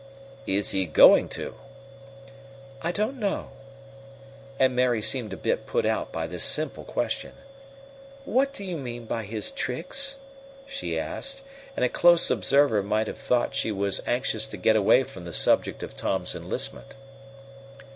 "Is he going to?" "I don't know," and Mary seemed a bit put out by this simple question. "What do you mean by his tricks?" she asked, and a close observer might have thought she was anxious to get away from the subject of Tom's enlistment.